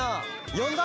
よんだ？